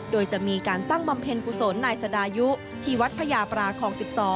โดยจะมีการตั้งบำเพ็ญกุศลนายสดายุที่วัดพญาปราคอง๑๒